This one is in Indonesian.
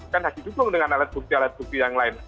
menghad orleans alat bukti alat bukti yang lain